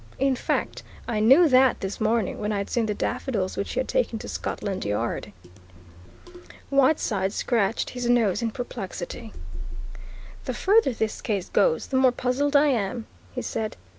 "In fact, I knew that this morning when I'd seen the daffodils which you had taken to Scotland Yard." Whiteside scratched his nose in perplexity. "The further this case goes, the more puzzled I am," he said.